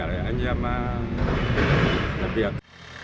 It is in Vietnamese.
vì vậy anh em làm việc